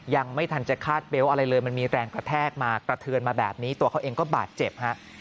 ยังไม่ทันจะคาดเบลต์อะไรเลยมันมีแรงกระแทกมากระเทือนมาแบบนี้ตัวเขาเองก็บาดเจ็บฮะ